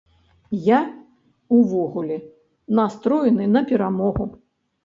Я, увогуле, настроены на перамогу.